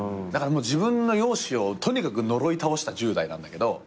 だから自分の容姿をとにかく呪い倒した１０代なんだけど。